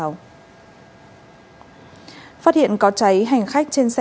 phát hiện có cháy hành khách trên xe